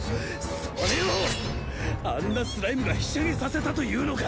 それをあんなスライムがひしゃげさせたというのか！